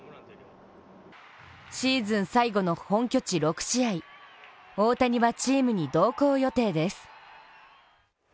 シーズン最後の本拠地６試合、大谷はチームに同行予定です。